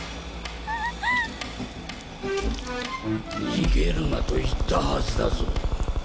逃げるなと言ったはずだぞ。